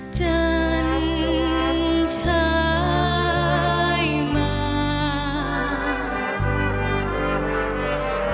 จันทรายมา